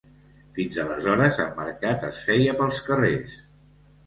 Fins aleshores, el mercat es feia pels carrers.